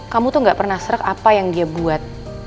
kamu tuh gak pernah serak apa yang dia buat